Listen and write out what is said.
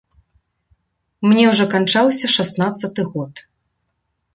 Мне ўжо канчаўся шаснаццаты год.